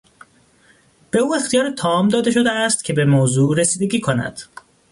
به او اختیار تام داده شده است که به موضوع رسیدگی کند.